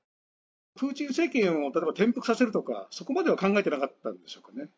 プーチン政権を、例えば転覆させるとか、そこまでは考えてなかったんでしょうかね